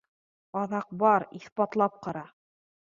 Аҙаҡ бар, иҫбатлап ҡара